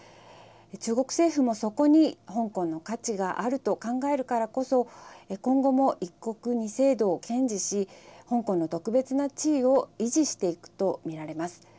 中国政府もそこに香港の価値があると考えるからこそ今後も、一国二制度を堅持し香港の特別な地位を維持していくと見られます。